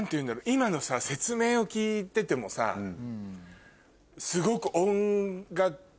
今の説明を聞いててもさすごく。